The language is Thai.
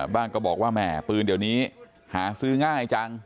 ก็บอกว่าแหมปืนเดี๋ยวนี้หาซื้อง่ายจัง